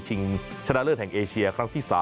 ชนะเลิศแห่งเอเชียครั้งที่๓